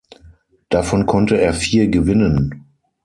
Davon konnte er vier gewinnen.